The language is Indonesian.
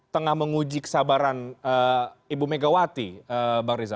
tengah menguji kesabaran ibu megawati mbak rizal